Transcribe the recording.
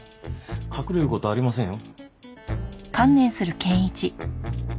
隠れる事はありませんよ。